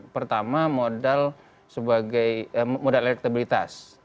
pertama modal elektabilitas